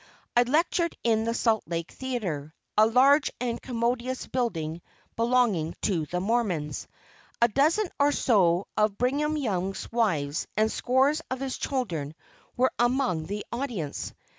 I lectured in the Salt Lake Theatre a large and commodious building belonging to the Mormons. A dozen or so of Brigham Young's wives, and scores of his children, were among the audience.